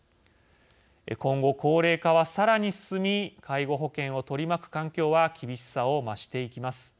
今後、高齢化はさらに進み介護保険を取り巻く環境は厳しさを増していきます。